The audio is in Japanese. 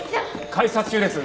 開札中です。